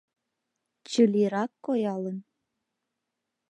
Чылирак коялын